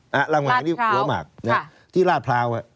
รามความแหงนี่หัวหมากที่ราดพลาว